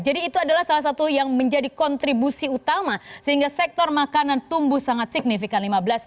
jadi itu adalah salah satu yang menjadi kontribusi utama sehingga sektor makanan tumbuh sangat signifikan